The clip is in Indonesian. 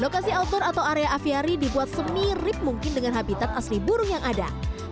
lokasi outdoor atau area aviari dibuat semirip mungkin dengan habitat asli burung yang ada